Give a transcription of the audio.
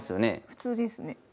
普通ですね。